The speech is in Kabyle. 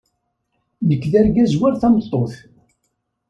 Nekk d argaz war tameṭṭut.